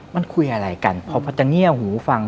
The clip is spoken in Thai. มันคุยอะไรกันเพราะพอจะเงี้ยหูฟัง